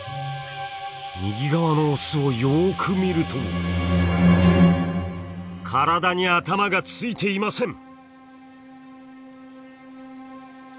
右側のオスをよく見ると体に頭がついていません！